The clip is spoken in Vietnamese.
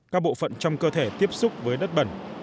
các bộ phận trong cơ thể tiếp xúc với đất bẩn